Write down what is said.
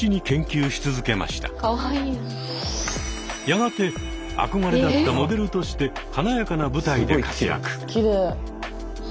やがて憧れだったモデルとして華やかな舞台で活躍。